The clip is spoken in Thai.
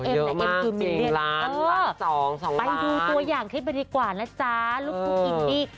เอ็มคือหมินเดชน์เออไปดูตัวอย่างคิดไปดีกว่านะจ๊ะลูกคุณคิดดี